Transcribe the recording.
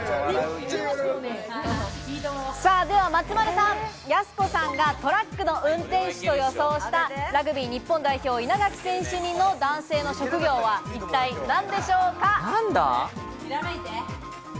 では松丸さん、やす子さんがトラックの運転手と予想したラグビー日本代表・稲垣選手似の男性の職業は一体何でしなんだ？